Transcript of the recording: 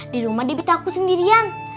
di rumah debby takut sendirian